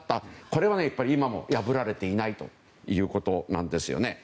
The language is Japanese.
これは今も破られていないということなんですね。